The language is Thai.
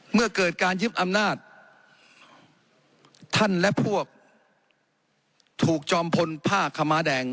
เมื่อเกิดการยึดอำนาจท่านและพวกถูกจอมพลผ้าขม้าแดง